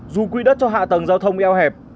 dù quỹ đất cho hạ tầng giao thông eo hẹp